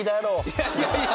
いやいやいや。